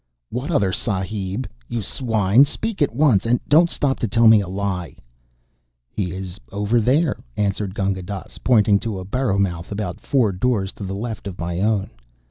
"What other Sahib, you swine? Speak at once, and don't stop to tell me a lie." "He is over there," answered Gunga Dass, pointing to a burrow mouth about four doors to the left of my own.